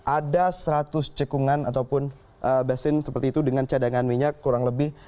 ada seratus cekungan ataupun basin seperti itu dengan cadangan minyak kurang lebih